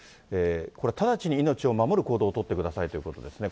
これ、直ちに命を守る行動を取ってくださいということですね。